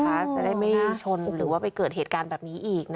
จะได้ไม่ชนหรือว่าไปเกิดเหตุการณ์แบบนี้อีก